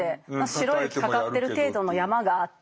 白い雪かかってる程度の山がって。